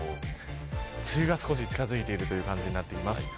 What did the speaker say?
梅雨が少し近づいている感じになっています。